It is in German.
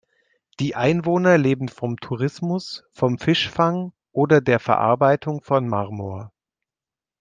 Die Einwohner leben vom Tourismus, vom Fischfang oder der Verarbeitung von Marmor.